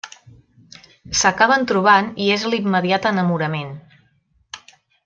S'acaben trobant i és l'immediat enamorament.